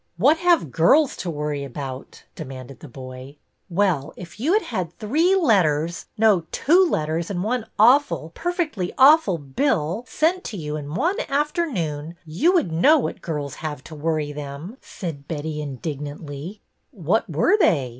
What have girls to worry about ?" demanded the boy. ''Well, if you had had three letters — no, two letters and one awful, perfectly awful bill — sent to you in one afternoon, you would know what girls have to worry them," said Betty, indignantly. "What were they?"